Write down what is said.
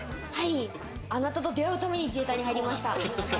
あなたと出会うために自衛隊に入りました。